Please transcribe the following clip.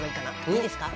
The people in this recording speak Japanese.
いいですか？